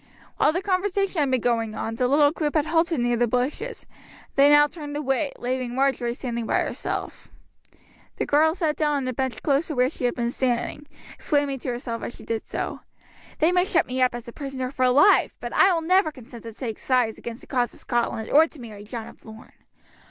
While the conversation had been going on, the little group had halted near the bushes, and they now turned away, leaving Marjory standing by herself. The girl sat down on a bench close to where she had been standing, exclaiming to herself as she did so, "They may shut me up as a prisoner for life, but I will never consent to take sides against the cause of Scotland or to marry John of Lorne.